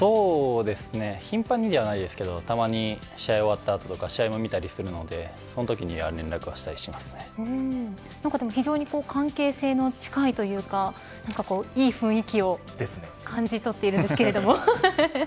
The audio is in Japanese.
頻繁にではないですけどたまに試合終わった後とか試合も見たりするので非常に関係性の近いというかいい雰囲気を感じ取っているんですけれども。